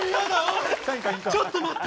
ちょっと待って。